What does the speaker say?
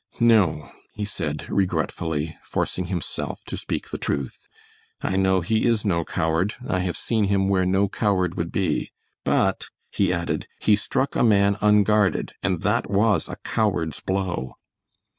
"No," he said, regretfully, forcing himself to speak the truth. "I know he is no coward; I have seen him where no coward would be, but," he added, "he struck a man unguarded, and that was a coward's blow."